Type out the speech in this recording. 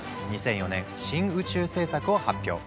２００４年「新宇宙政策」を発表。